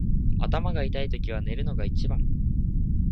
頭が痛いときは寝るのが一番。